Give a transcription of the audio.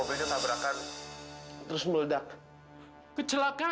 kita bisa bersama sama lagi seperti dulu fad